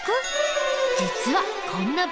実はこんな場合も。